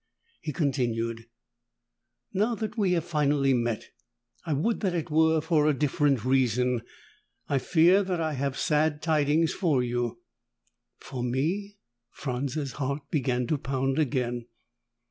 He continued, "Now that we have finally met, I would that it were for a different reason. I fear that I have sad tidings for you." "For me?" Franz's heart began to pound again.